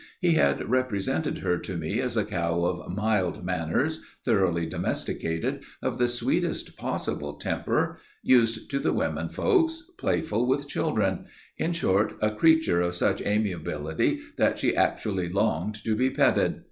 He had represented her to me as a cow of mild manners, thoroughly domesticated, of the sweetest possible temper, used to the women folks, playful with children, in short, a creature of such amiability that she actually longed to be petted.